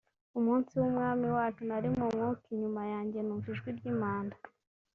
umunsi w’Umwami wacu nari mu Mwuka inyuma yanjye numva ijwi ry’impanda